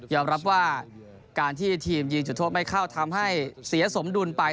รับว่าการที่ทีมยิงจุดโทษไม่เข้าทำให้เสียสมดุลไป